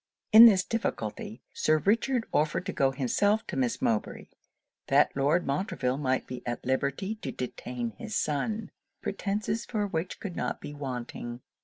In this difficulty, Sir Richard offered to go himself to Miss Mowbray, that Lord Montreville might be at liberty to detain his son; pretences for which could not be wanting.